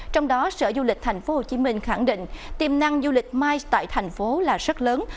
trong đó sở du lịch tp hcm khẳng định tiềm năng du lịch mice tại thành phố là rất lớn